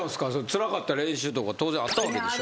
つらかった練習とか当然あったわけでしょ。